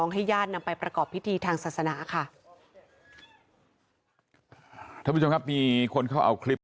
ของน้องให้ญาตินำไปประกอบพิธีทางศาสนาค่ะ